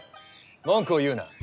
文句を言うな。